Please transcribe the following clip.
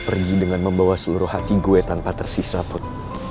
lo pergi dengan membawa seluruh hati gue tanpa tersisa put